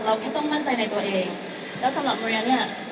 แค่ต้องมั่นใจในตัวเองแล้วสำหรับโรงเรียนเนี่ย